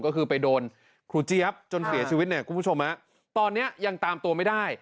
ก็คือไปโดนครูเจี๊ยบจนเสียชีวิตเนี่ยคุณผู้ชมฮะตอนนี้ยังตามตัวไม่ได้